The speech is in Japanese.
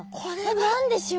何でしょう？